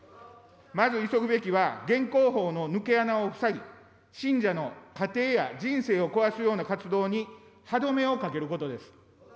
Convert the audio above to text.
まず急ぐべきは現行法の抜け穴を塞ぎ、信者の家庭や人生を壊すような活動に歯止めをかけることです。